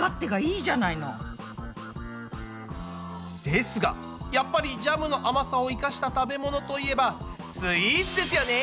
ですがやっぱりジャムの甘さを生かした食べ物といえばスイーツですよね！